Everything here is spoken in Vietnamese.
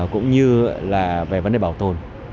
cũng như là về vấn đề bảo tồn